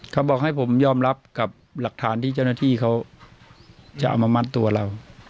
เขาบอกให้ผมยอมรับกับหลักฐานที่เจ้าหน้าที่เขาจะเอามามัดตัวเรา